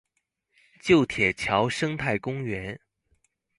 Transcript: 舊鐵橋生態公園